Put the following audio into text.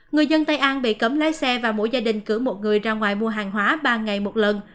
người dân tây an bị cấm lái xe và mỗi gia đình cử một người ra ngoài mua hàng hóa ba ngày một lần